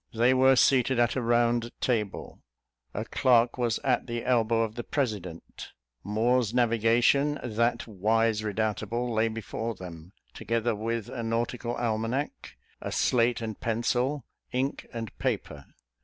They were seated at a round table; a clerk was at the elbow of the president; Moore's navigation, that wise redoubtable, lay before them; together with a nautical almanack, a slate and pencil, ink and paper.